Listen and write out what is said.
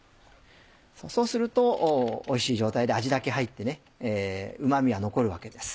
そうするとおいしい状態で味だけ入ってうま味は残るわけです